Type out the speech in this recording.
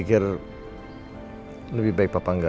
hai lebih baik papa enggak